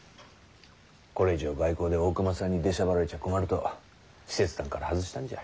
これ以上外交で大隈さんに出しゃばられちゃ困ると使節団から外したんじゃ。